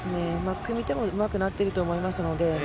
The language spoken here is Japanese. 組み手がうまくなってると思います。